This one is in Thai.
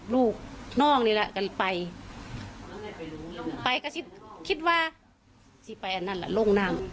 ลูกน้องนี่แหละกันไปไปก็คิดว่าสิไปอันนั้นล่ะโล่งน้ำ